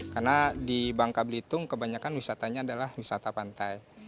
karena di bangka belitung kebanyakan wisatanya adalah wisata pantai